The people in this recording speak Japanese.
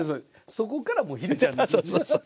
そこからもう「ヒデちゃん」なんですね。